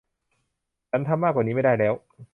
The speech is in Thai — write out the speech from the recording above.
ฉันทำมากกว่านี้ไม่ได้แล้ว